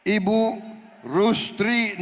ibu rustri ningsih